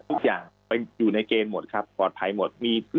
ทุกอย่างไปอยู่ในเกณฑ์หมดครับปลอดภัยหมด